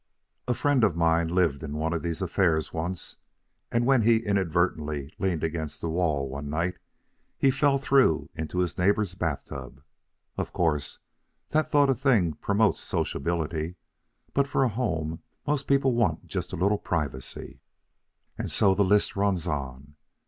A friend of mine lived in one of these affairs once, and when he inadvertently leaned against the wall one night he fell through into his neighbor's bath tub. Of course, that sort of thing promotes sociability; but for a home most people want just a little privacy. And so the list runs on.